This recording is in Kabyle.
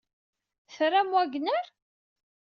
Tram Wagner?